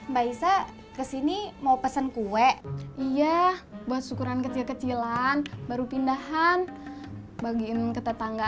mbak isa kesini mau pesen kue iya buat syukuran kecil kecilan baru pindahan bagiin ke tetangga